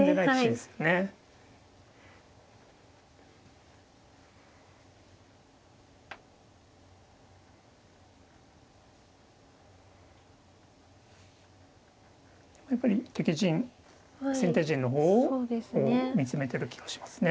でもやっぱり敵陣先手陣の方を見つめてる気がしますね。